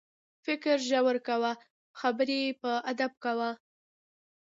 فکر ژور کوه، خبرې په ادب کوه.